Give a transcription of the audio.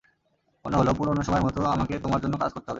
মনে হলো, পুরানো সময়ের মতো, আমাকে তোমার জন্য কাজ করতে হবে।